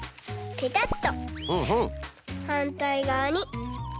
ペタッと。